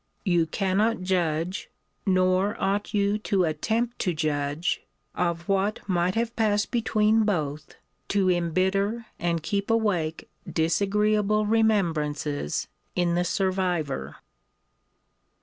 You cannot judge, nor ought you to attempt to judge, of what might have passed between both, to embitter and keep awake disagreeable remembrances in the survivor.